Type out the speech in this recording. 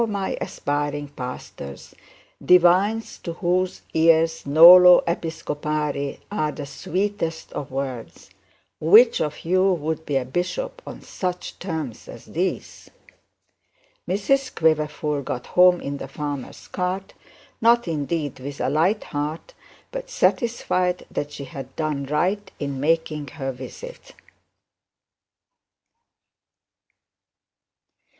my aspiring pastors, divines to whose ears nolo episcopari are the sweetest of words, which of you would be a bishop on such terms as these? Mrs Quiverful got home in the farmer's cart, not indeed with a light heart, but satisfied that she had done right in making her visit.